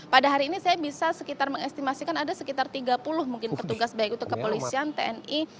pada hari ini saya bisa sekitar mengestimasikan ada sekitar tiga puluh mungkin petugas baik itu kepolisian tni